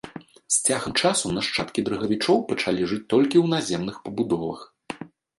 З цягам часу нашчадкі дрыгавічоў пачалі жыць толькі ў наземных пабудовах.